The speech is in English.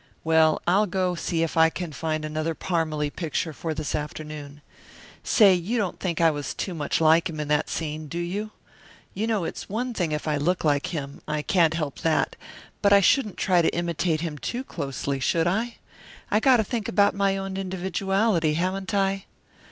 "Well, I'll go see if I can find another Parmalee picture for this afternoon. Say, you don't think I was too much like him in that scene, do you? You know it's one thing if I look like him I can't help that but I shouldn't try to imitate him too closely, should I? I got to think about my own individuality, haven't I?"